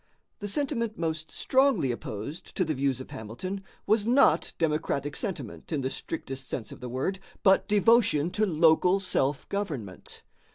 The sentiment most strongly opposed to the views of Hamilton was not democratic sentiment, in the strictest sense of the word, but devotion to local self government.